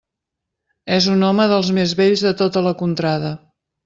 És un home dels més vells de tota la contrada.